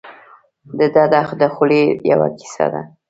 دده د خولې یوه کیسه ده.